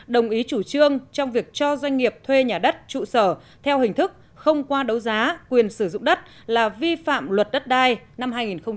đồng ý chủ trương trong việc cho doanh nghiệp thuê nhà đất trụ sở theo hình thức không qua đấu giá quyền sử dụng đất là vi phạm luật đất đai năm hai nghìn một mươi ba